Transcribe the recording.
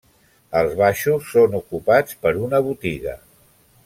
Els baixos són ocupats per una botiga.